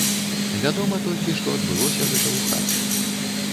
Вядома толькі, што адбылося гэта ў хаце.